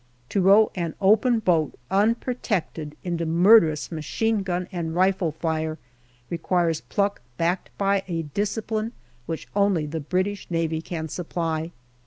To row an open boat, unprotected, into murderous machine gun. and rifle fire requires pluck backed by a discipline which only the British Navy can supply.